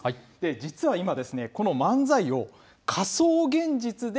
実は今、この漫才を、仮想現実で